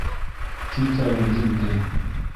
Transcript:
Кил әле үҙеңде...